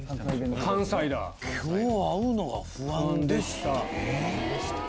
「今日会うのが不安でした」と。